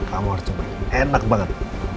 kamu harus coba enak banget